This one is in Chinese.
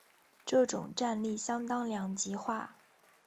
这种战力相当两极化。